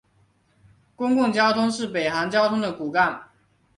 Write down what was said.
公共交通是北韩交通的骨干。